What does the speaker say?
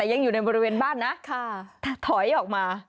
ยังอยู่ในบริเวณบ้านนะถอยออกมา